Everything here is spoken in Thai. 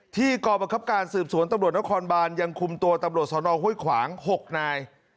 กรบังคับการสืบสวนตำรวจนครบานยังคุมตัวตำรวจสนห้วยขวาง๖นาย